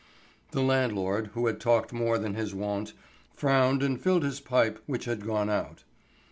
The landlord, who had talked more than his wont, frowned and filled his pipe, which had gone out.